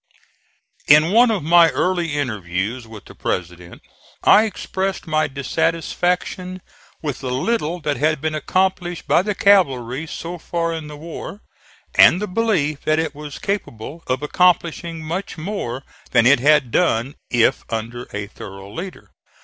In one of my early interviews with the President I expressed my dissatisfaction with the little that had been accomplished by the cavalry so far in the war, and the belief that it was capable of accomplishing much more than it had done if under a thorough leader.